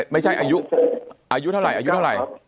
ไม่ใช่อายุเท่าไหร่อายุเท่าไหร่